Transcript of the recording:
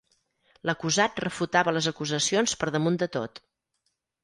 L'acusat refutava les acusacions per damunt de tot.